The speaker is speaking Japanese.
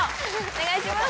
お願いします。